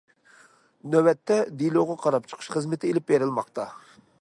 نۆۋەتتە، دېلوغا قاراپ چىقىش خىزمىتى ئېلىپ بېرىلماقتا.